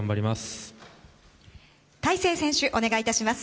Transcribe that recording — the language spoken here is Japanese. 山本選手、お願いいたします。